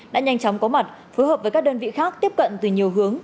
đã nhanh chóng có mặt phối hợp với các đơn vị khác tiếp cận từ nhiều hướng